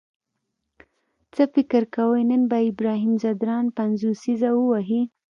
څه فکر کوئ نن به ابراهیم ځدراڼ پنځوسیزه ووهي؟